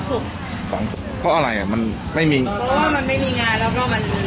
เพราะอะไรอ่ะมันไม่มีเพราะว่ามันไม่มีงานแล้วก็มัน